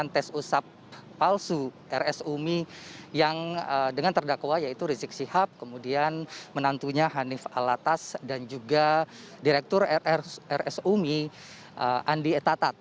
yang terkait dengan tes usap palsu rs umi yang dengan terdakwa yaitu rizik sihab kemudian menantunya hanif alatas dan juga direktur rs umi andi tatat